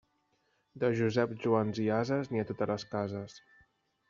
De Joseps, Joans i ases, n'hi ha a totes les cases.